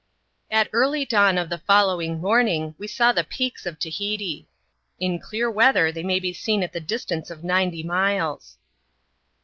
At early dawn of the following morning we saw the Peaks of Tahiti. In clear weather they may be seen at the distance of ninety miles.